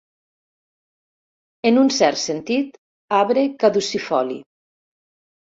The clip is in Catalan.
En un cert sentit, arbre caducifoli.